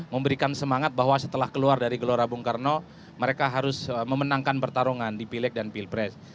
memberikan semangat bahwa setelah keluar dari gelora bung karno mereka harus memenangkan pertarungan di pileg dan pilpres